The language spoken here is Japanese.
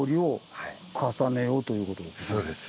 そうです。